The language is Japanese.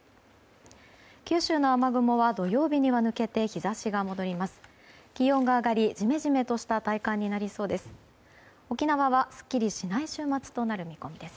九州の雨雲は土曜日には抜けて日差しが戻ります。